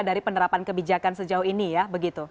dari penerapan kebijakan sejauh ini ya begitu